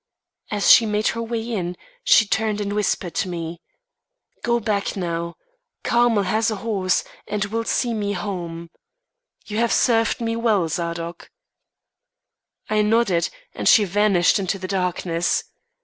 As she made her way in, she turned and whispered to me: "Go back now. Carmel has a horse, and will see me home. You have served me well, Zadok." I nodded, and she vanished into the darkness.